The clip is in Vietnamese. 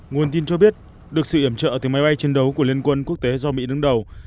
nguồn tin cho biết được sự iểm trợ từ máy bay chiến đấu của liên quân quốc tế do mỹ đứng đầu